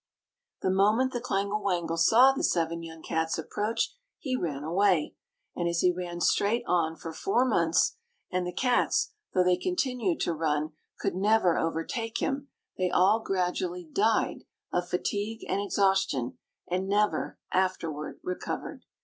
The moment the clangle wangle saw the seven young cats approach, he ran away; and as he ran straight on for four months, and the cats, though they continued to run, could never overtake him, they all gradually died of fatigue and exhaustion, and never afterward recovered.